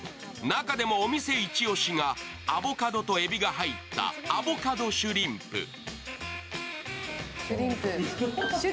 中でもお店イチ押しがアボカドとえびが入ったアボカドシュリンプ。